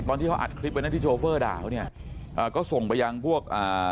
ตอนที่เขาอัดคลิปไว้นะที่โชเฟอร์ด่าเขาเนี่ยอ่าก็ส่งไปยังพวกอ่า